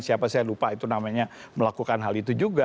siapa saya lupa itu namanya melakukan hal itu juga